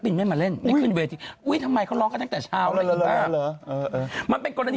ปีที่แล้วตะก้าเวียน